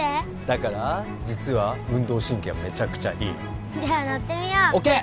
だから実は運動神経はメチャクチャいいじゃあ乗ってみようＯＫ！